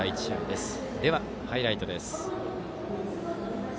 では、ハイライトです。